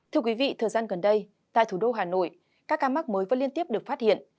thưa quý vị thời gian gần đây tại thủ đô hà nội các ca mắc mới vẫn liên tiếp được phát hiện